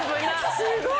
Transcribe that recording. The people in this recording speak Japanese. すごい！